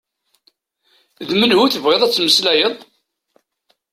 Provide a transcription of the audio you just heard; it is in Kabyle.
D menhu tebɣiḍ ad tmeslayeḍ?